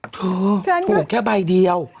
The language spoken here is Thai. ถูกแค่ใบเดียว